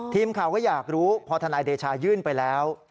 ทีมข่าวก็อยากรู้พอทนายเดชายื่นไปแล้ว